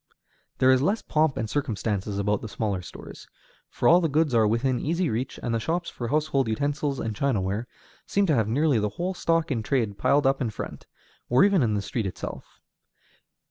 There is less pomp and circumstance about the smaller stores, for all the goods are within easy reach, and the shops for household utensils and chinaware seem to have nearly the whole stock in trade piled up in front, or even in the street itself.